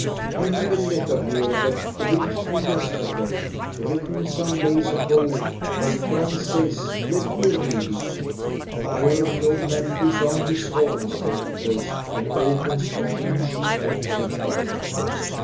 I have a letter here that reached me yesterday, written some days ago, where Franz says let me read it:" (Here the old man pulls on his horn spectacles and opens a thin sheet of paper.)